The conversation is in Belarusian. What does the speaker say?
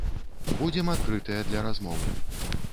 Будзем адкрытыя для размовы.